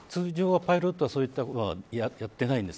通常はパイロットはそういうことはやってないんです